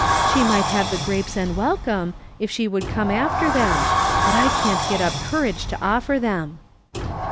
She might have the grapes and welcome, il' slic would come after them ; but I can't get up courage to offer them."